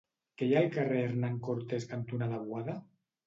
Què hi ha al carrer Hernán Cortés cantonada Boada?